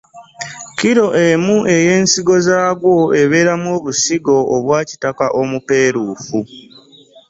Kkiro emu ey’ensigo zaagwo ebeeramu obusigo obwa kitaka omupeeruufu.